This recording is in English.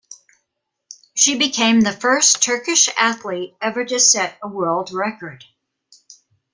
She became the first Turkish athlete ever to set a world record.